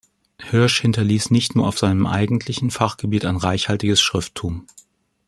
Hirsch hinterließ nicht nur auf seinem eigentlichen Fachgebiet ein reichhaltiges Schrifttum.